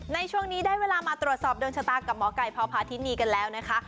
ในช่วงนี้ได้เวลามาตรวจสอบดวงชะตากับหมอไก่พพาธินีกันแล้วนะคะ